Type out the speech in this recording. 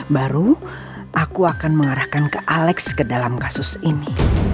baru aku akan mengarahkan ke alex ke dalam kasus ini